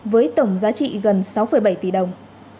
với tổng giá trị gần sáu bảy tỷ đồng